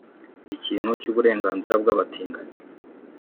ikintu cy’uburenganzira bw’abatinganyi